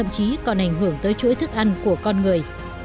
nhưng cũng làm mất mức ăn của con người